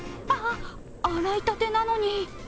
あっ、洗いたてなのに。